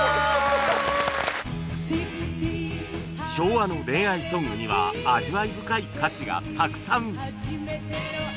昭和の恋愛ソングには味わい深い歌詞がたくさん